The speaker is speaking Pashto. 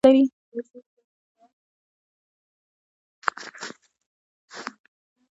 هر غږ د یوې ژبې په ژغورلو کې ونډه لري.